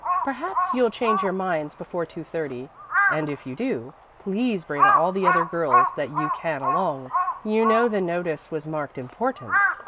Perhaps you'll change your minds before two thirty, and if you do, please bring all the other girls that you can along. You know the notice was marked important."